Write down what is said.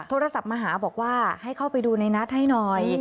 โทรศัพท์มาหาบอกว่าให้เข้าไปดูในนัทให้หน่อย